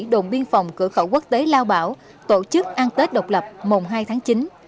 đồn biên phòng cửa khẩu quốc tế lao bảo tổ chức ăn tết độc lập mùng hai tháng chín